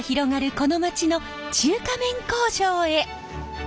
この町の中華麺工場へ。